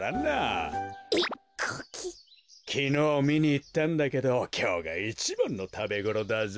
きのうみにいったんだけどきょうがいちばんのたべごろだぞ。